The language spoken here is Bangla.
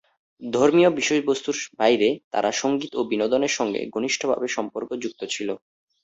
ধর্মীয় বিষয়বস্তুর বাইরে, তারা সঙ্গীত ও বিনোদনের সঙ্গে ঘনিষ্ঠভাবে সম্পর্কযুক্ত ছিল।